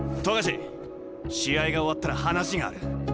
冨樫試合が終わったら話がある。